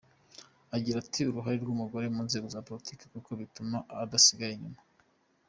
Agira ati “uruhare rw’umugore mu nzego za politiki, kuko bituma adasigara inyuma.